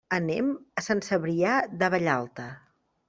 Anem a Sant Cebrià de Vallalta.